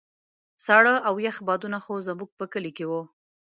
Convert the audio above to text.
ساړه او يخ بادونه خو زموږ په کلي کې وو.